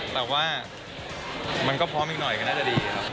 แต่ว่ามันก็พร้อมอีกหน่อยก็น่าจะดีครับ